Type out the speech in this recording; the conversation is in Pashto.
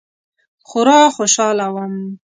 خورا خوشحاله وم.